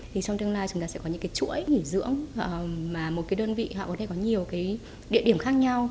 thì trong tương lai chúng ta sẽ có những chuỗi nghỉ dưỡng mà một đơn vị có nhiều địa điểm khác nhau